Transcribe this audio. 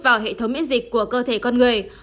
vào hệ thống miễn dịch của cơ thể con người